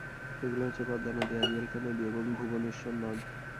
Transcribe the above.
সেগুলো হচ্ছে পদ্মা নদী, আড়িয়াল খাঁ নদী এবং ভুবনেশ্বর নদ।